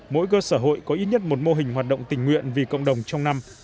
mỗi cơ sở hội có ít nhất một mô hình hoạt động tình nguyện vì cộng đồng trong năm